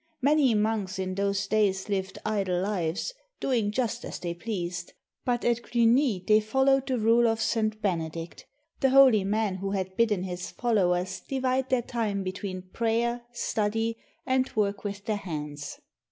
Many monks in those days lived idle lives, doing just as they pleased. But at Cluni they fol lowed the rule of St. Benedict, the holy man who had bidden his followers divide their time betw^een prayer, study, and work with their hands.